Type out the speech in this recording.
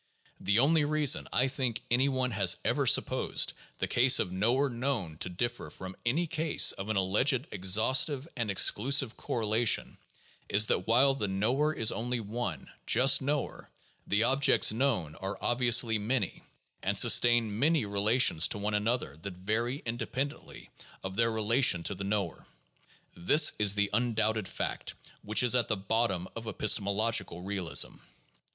The only reason, I think, any one has ever supposed the case of knower known to differ from any case of an alleged exhaustive and exclusive correlation is that while the knower is only one — just knower — the objects known are obviously many and sustain many relations to one another that vary independently of their relation to the knower. This is the undoubted fact which is at the bottom of epistemological realism.